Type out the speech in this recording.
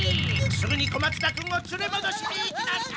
すぐに小松田君をつれもどしに行きなさい！